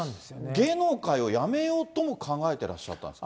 芸能界をやめようとも考えてらっしゃったんですか？